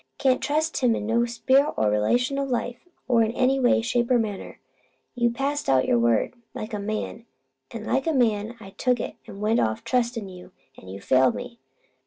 Can't trust him in no sphere or relation o' life; or in any way, shape, or manner. You passed out your word like a man, an' like a man I took it an' went off trustin' you, an' you failed me.